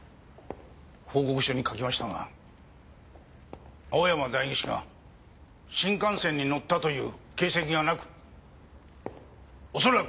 報告書に書きましたが青山代議士が新幹線に乗ったという形跡がなくおそらく。